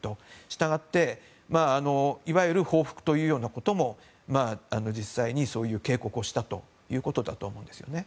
したがっていわゆる報復というようなことも実際にそういう警告をしたということだと思うんですよね。